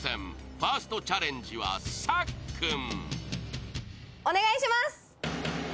ファーストチャレンジは、さっくん。